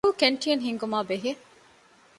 ސްކޫލް ކެންޓީން ހިންގުމާއި ބެހޭ